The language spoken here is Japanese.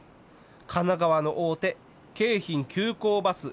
神奈川の大手、京浜急行バス。